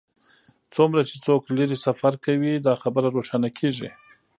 څومره چې څوک لرې سفر کوي دا خبره روښانه کیږي